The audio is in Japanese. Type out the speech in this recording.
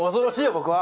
僕は。